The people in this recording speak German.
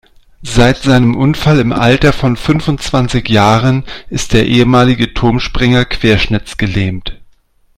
Seit seinem Unfall im Alter von fünfundzwanzig Jahren ist der ehemalige Turmspringer querschnittsgelähmt.